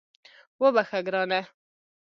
وبخښه ګرانه